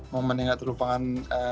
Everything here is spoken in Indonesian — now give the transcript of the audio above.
momen yang tidak terlupakan